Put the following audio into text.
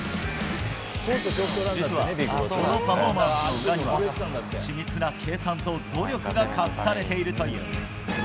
実はこのパフォーマンスの裏には緻密な計算と努力が隠されているという。